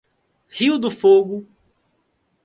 Rio do Fogo